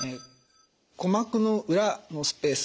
鼓膜の裏のスペース